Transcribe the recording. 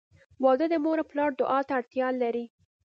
• واده د مور او پلار دعا ته اړتیا لري.